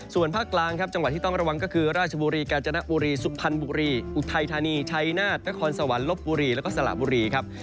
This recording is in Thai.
ส่วนภาคกลางครับจังหวัดที่ต้องระวังก็คือราชบุรีกาญจนบุรีสุพรรณบุรีอุทัยธานีชัยนาฏนครสวรรค์ลบบุรีแล้วก็สละบุรีครับ